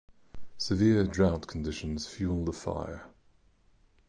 Severe drought conditions fueled the fire.